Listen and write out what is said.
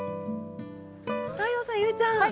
太陽さん裕ちゃん